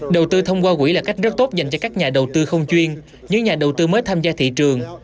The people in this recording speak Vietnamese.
đầu tư thông qua quỹ là cách rất tốt dành cho các nhà đầu tư không chuyên những nhà đầu tư mới tham gia thị trường